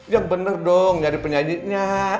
yang bener dong nyari penyanyinya